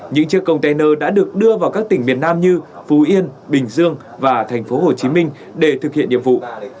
những chiếc container đã được đưa vào các tỉnh miền nam như phú yên bình dương và tp hcm để thực hiện nhiệm vụ